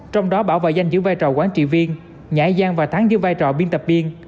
trong đó bảo vệ danh giữ vai trò quán trị viên nhãi gian và thắng giữ vai trò biên tập biên